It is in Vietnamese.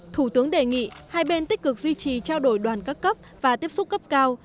thủ tướng đề nghị hai bên tích cực duy trì trao đổi đoàn các cấp và tiếp xúc cấp cao